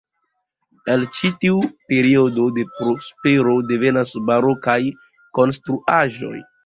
El ĉi tiu periodo de prospero devenas barokaj konstruaĵoj.